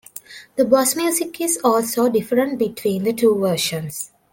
The boss music is also different between the two versions.